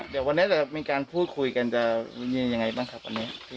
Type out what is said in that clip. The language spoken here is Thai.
เดี๋ยววันนี้จะมีการพูดคุยกันจะยังไงบ้างครับอันนี้